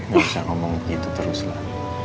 gak usah ngomong gitu terus lah